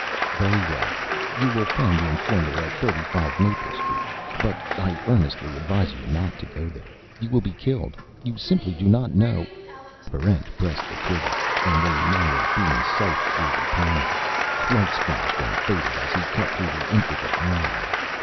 "Very well. You will find the informer at Thirty five Maple Street. But I earnestly advise you not to go there. You will be killed. You simply do not know " Barrent pressed the trigger, and the narrow beam scythed through the panel. Lights flashed and faded as he cut through the intricate wiring.